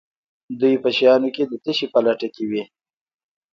دوی په شیانو کې د تشې په لټه کې وي.